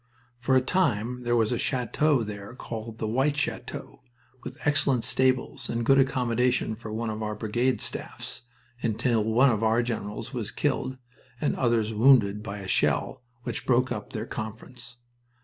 For a time there was a chateau there called the White Chateau, with excellent stables and good accommodation for one of our brigade staffs, until one of our generals was killed and others wounded by a shell, which broke up their conference.